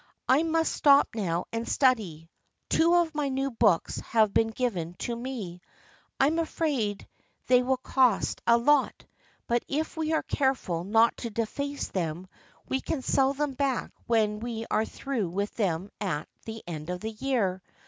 I must stop now and study. Two of my new books have been given to me. I am afraid they will cost a lot, but if we are careful not to deface them we can sell them back when we are through with them at the end of the year.